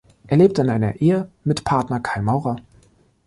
Er lebt in einer Ehe mit Partner Kai Maurer.